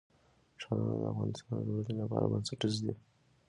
ښارونه د افغانستان د ټولنې لپاره بنسټیز دي.